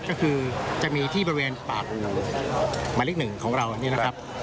ก็คือจะมีที่บริเวณปากหมาลิกหนึ่งของเราอันนี้นะครับ